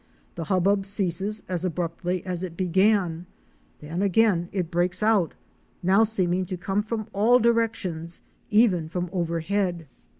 The hubbub ceases as abruptly as it began; then again it breaks out, now seeming to come from all directions, even from overhead.